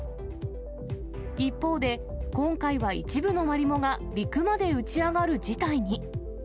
一方で、今回は一部のマリモが陸まで打ち上がる事態に。